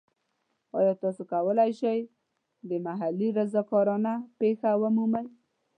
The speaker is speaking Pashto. ایا تاسو کولی شئ د محلي رضاکارانه پیښه ومومئ؟